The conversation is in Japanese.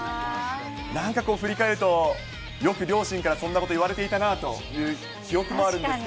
なんかこう、振り返ると、よく両親からそんなこと言われていたなという記憶もあるんですけ